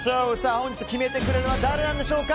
本日決めてくれるのは誰なんでしょうか？